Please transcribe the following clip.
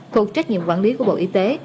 thuộc trách nhiệm quản lý của bộ y tế